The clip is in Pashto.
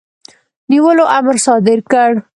نیولو امر صادر کړ.